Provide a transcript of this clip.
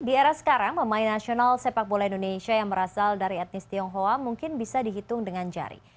di era sekarang pemain nasional sepak bola indonesia yang berasal dari etnis tionghoa mungkin bisa dihitung dengan jari